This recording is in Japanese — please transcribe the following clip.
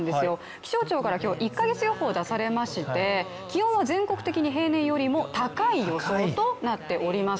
気象庁から今日、１か月予報出されました、気温は全国的に平年よりも高い予想となっております。